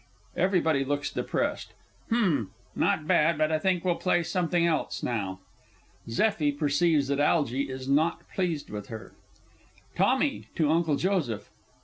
'" (Everybody looks depressed.) H'm not bad but I think we'll play something else now. [ZEFFIE perceives that ALGY is not pleased with her. TOMMY (to UNCLE JOSEPH).